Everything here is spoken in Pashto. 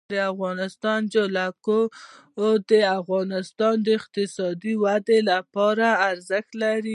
د افغانستان جلکو د افغانستان د اقتصادي ودې لپاره ارزښت لري.